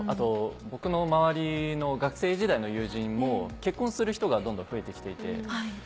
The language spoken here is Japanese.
僕の周りの学生時代の友人も結婚する人がどんどん増えて来ていて。